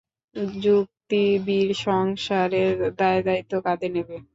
যুক্তি বীর সংসারের দায়-দায়িত্ব কাঁধে নেবে।